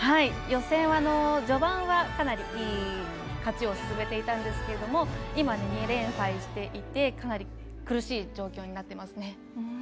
予選、序盤はかなりいい勝ちを進めていたんですが今、２連敗していてかなり苦しい状況になっていますね。